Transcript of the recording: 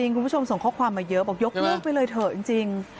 คุณผู้ชมส่งข้อความมาเยอะบอกยกลูกไปเลยเถอะจริง